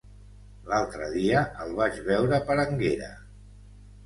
L'altre dia el vaig veure per Énguera.